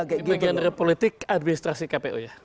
ini bagian dari politik administrasi kpu ya